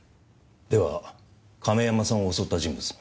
では亀山さんを襲った人物の？